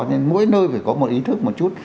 nên mỗi nơi phải có một ý thức một chút